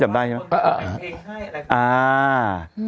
จำได้กี่คนได้ให้เพลงกู